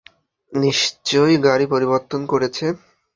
নিশ্চয়ই গাড়ী পরিবর্তন করেছে।